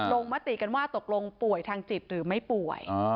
มติกันว่าตกลงป่วยทางจิตหรือไม่ป่วย